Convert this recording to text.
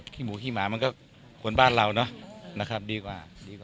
ขี้หมูขี้หมามันก็ควรบ้านเราเนาะนะครับดีกว่า